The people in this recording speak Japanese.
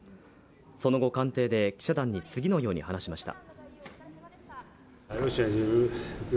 その後、官邸で記者団に次のように話しました。